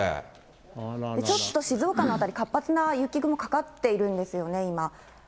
ちょっと静岡の辺り、活発な雪雲かかっているんですよね、今。